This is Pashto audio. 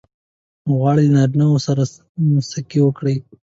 غواړې له نارینه وو سره سکی وکړې؟